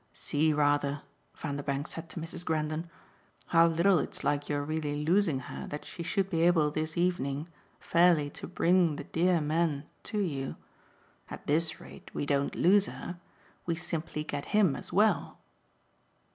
"See rather," Vanderbank said to Mrs. Grendon, "how little it's like your really losing her that she should be able this evening fairly to bring the dear man to you. At this rate we don't lose her we simply get him as well."